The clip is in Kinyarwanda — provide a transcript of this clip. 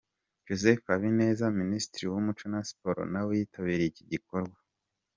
Joseph Habineza, minisitiri w'umuco na siporo nawe yitabiriye iki gikorwa.